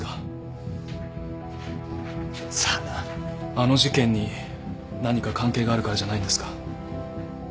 あの事件に何か関係があるからじゃないんですか？